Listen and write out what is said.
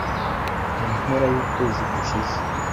Mu mpera y'ukwezi gushize